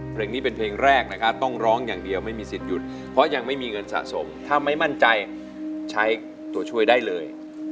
เพลงนี้เป็นเพลงแรกนะครับต้องร้องอย่างเดียวไม่มีสิทธิ์หยุดเพราะยังไม่มีเงินสะสมถ้าไม่มั่นใจใช้ตัวช่วยได้เลย